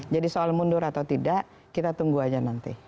jadi soal mundur atau tidak kita tunggu aja nanti